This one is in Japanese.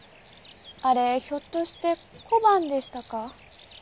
あれひょっとして小判でしたか？